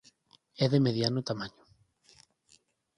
É de mediano tamaño.